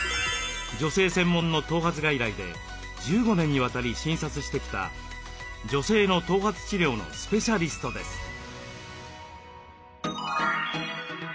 女性専門の頭髪外来で１５年にわたり診察してきた女性の頭髪治療のスペシャリストです。